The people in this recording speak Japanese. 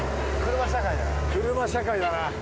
車社会だな。